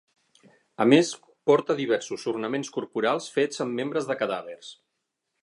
A més porta diversos ornaments corporals fets amb membres de cadàvers.